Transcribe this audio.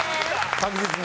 確実に。